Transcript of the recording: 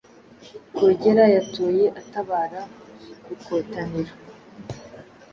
Rwogera yatoye atabara kukotaniro